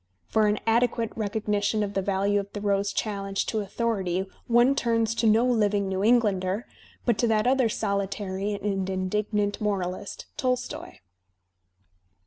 For an adequate recognition of the value of Thoreau's challenge to authority one turns to no living New Englander, but to that other soUtary and indignant moralist, Tolstoy.